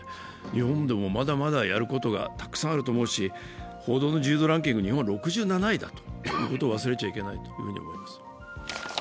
日本でもまだまだやることがたくさんあると思うし報道の自由度ランキングが１７位だということを忘れてはいけないと思います。